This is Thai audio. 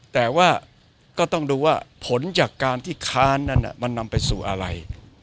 แต่ว่าก็ต้องดูว่าผลจากการที่ค้านนั้นมันนำไปสู่อะไร